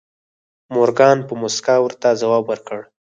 مورګان په موسکا ورته ځواب ورکړ